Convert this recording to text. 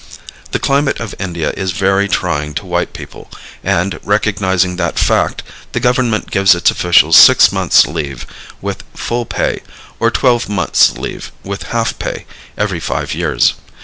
The climate of India is very trying to white people, and, recognizing that fact, the government gives its officials six months' leave with full pay or twelve months' leave with half pay every five years.